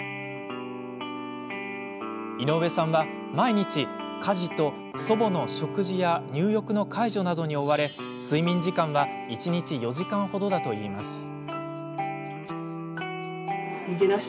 井上さんは、毎日家事と祖母の食事や入浴の介助などに追われ、睡眠時間は一日４時間ほどだといいます。